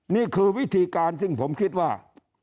นี่คือวิธีการซึ่งผมคิดว่า